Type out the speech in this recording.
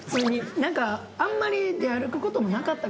何かあんまり出歩くこともなかったからね。